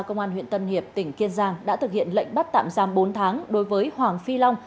công an huyện tân hiệp tỉnh kiên giang đã thực hiện lệnh bắt tạm giam bốn tháng đối với hoàng phi long